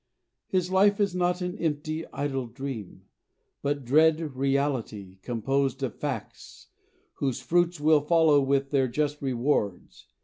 His life is not an empty, idle dream, But dread reality, composed of facts, Whose fruits will follow with their just rewards.